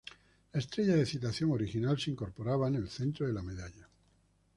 La Estrella de Citación original se incorporaba en el centro de la medalla.